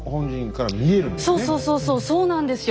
そうそうそうそうそうなんですよ。